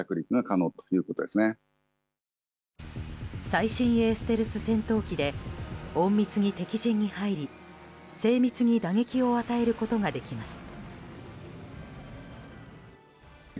最新鋭ステルス戦闘機で隠密に敵陣に入り精密に打撃を与えることができます。